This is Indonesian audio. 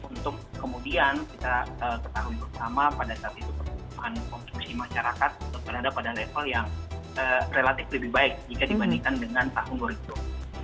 untuk kemudian kita ketahui bersama pada saat itu perkembangan konstruksi masyarakat berada pada level yang relatif lebih baik jika dibandingkan dengan tahun berikut